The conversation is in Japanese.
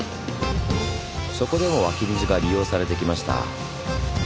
そこでも湧き水が利用されてきました。